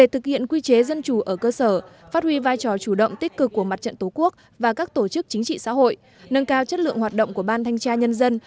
thực hiện quy chế dân chủ ở cơ sở phát huy vai trò chủ động tích cực của mặt trận tổ quốc và các tổ chức chính trị xã hội nâng cao chất lượng hoạt động của ban thanh tra nhân dân